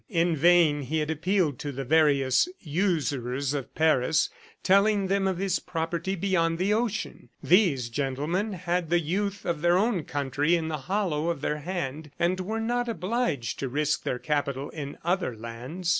In vain he had appealed to the various usurers of Paris, telling them of his property beyond the ocean. These gentlemen had the youth of their own country in the hollow of their hand and were not obliged to risk their capital in other lands.